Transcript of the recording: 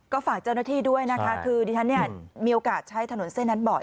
ก็ฝากเจ้าหน้าที่ด้วยนะคะคือดิฉันเนี่ยมีโอกาสใช้ถนนเส้นนั้นบ่อย